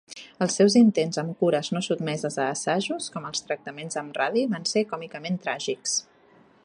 Els seus intents amb cures no sotmeses a assajos, com els tractaments amb radi, van ser còmicament tràgics.